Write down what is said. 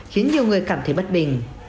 khiến nhiều người cảm thấy bất bình